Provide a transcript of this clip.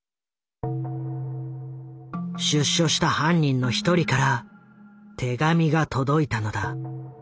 出所した犯人の一人から手紙が届いたのだ。